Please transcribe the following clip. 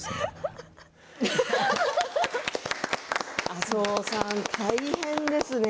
麻生さん、大変ですね。